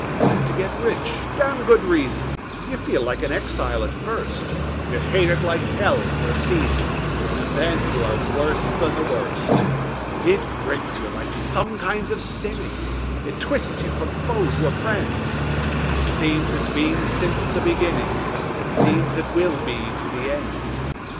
You come to get rich (damned good reason); You feel like an exile at first; You hate it like hell for a season, And then you are worse than the worst. It grips you like some kinds of sinning; It twists you from foe to a friend; It seems it's been since the beginning; It seems it will be to the end.